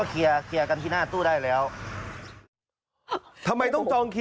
เออ